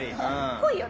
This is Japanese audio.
濃いよね。